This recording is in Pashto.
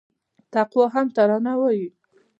تقوا هم ترانه وايي